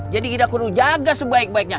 kita perlu jaga sebaik baiknya